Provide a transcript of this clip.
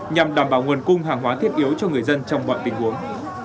nhằm đảm bảo nguồn cung hàng hóa thiết yếu cho người dân trong mọi tình huống